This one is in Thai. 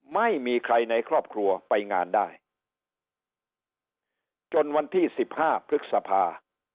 ไม่มีใครในครอบครัวไปงานได้จนวันที่สิบห้าพฤษภา